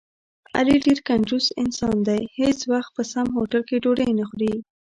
علي ډېر کنجوس انسان دی، هېڅ وخت په سم هوټل کې ډوډۍ نه خوري.